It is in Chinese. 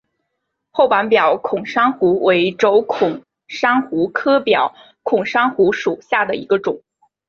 厚板表孔珊瑚为轴孔珊瑚科表孔珊瑚属下的一个种。